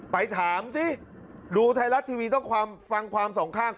ไปถามสิดูไทยรัฐทีวีต้องความฟังความสองข้าง